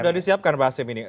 sudah disiapkan pak hasim ini